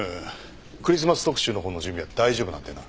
クリスマス特集の方の準備は大丈夫なんだよな？